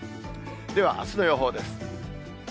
では、あすの予報です。